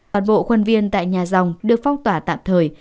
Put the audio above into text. bọn bộ quân viên tại nhà dòng được phong tỏa tạm thời